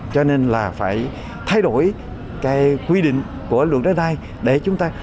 cho nên là phải thay đổi cái quy định của luật đất đai để chúng ta